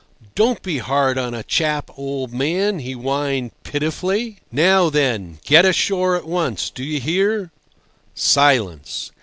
"Don't be hard on a chap, old man!" he whined pitifully. "Now then, get ashore at once. Do you hear?" Silence.